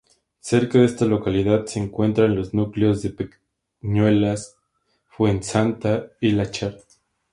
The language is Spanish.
Cerca de esta localidad se encuentran los núcleos de Peñuelas, Fuensanta y Láchar.